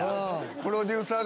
プロデューサーが。